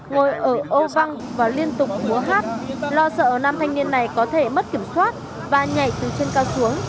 ngồi ở ô văng và liên tục múa hát lo sợ nam thanh niên này có thể mất kiểm soát và nhảy từ trên cao xuống